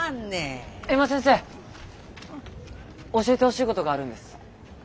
教えてほしいことがあるんです。